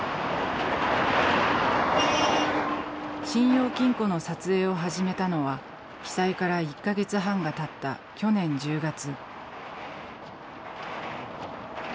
信用金庫の撮影を始めたのは被災から１か月半がたった去年１０月。